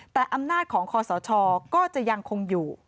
แต่อำนาจของคอสชก็จะยังคงอยู่